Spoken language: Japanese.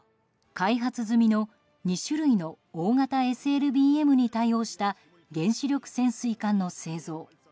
開発済みの２種類の大型ＳＬＢＭに対応した原子力潜水艦の製造。